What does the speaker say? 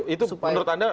itu menurut anda